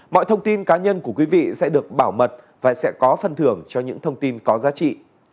mọi thông tin cá nhân của quý vị sẽ được bảo mật và sẽ có phần thưởng cho những thông tin có giá trị